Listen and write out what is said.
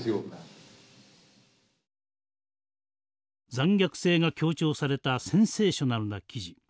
残虐性が強調されたセンセーショナルな記事。